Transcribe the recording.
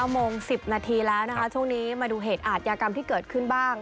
โมง๑๐นาทีแล้วนะคะช่วงนี้มาดูเหตุอาทยากรรมที่เกิดขึ้นบ้าง